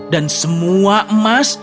dan semua emas itu